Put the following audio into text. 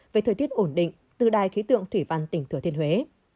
về thời tiết ổn định từ đài khí tượng thủy văn tỉnh thừa thiên huế